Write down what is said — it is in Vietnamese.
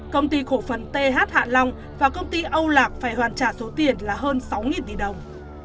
công ty cổ phần th hạ long và công ty âu lạc phải hoàn trả số tiền là hơn sáu tỷ đồng